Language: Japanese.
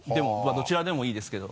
どちらでもいいですけど。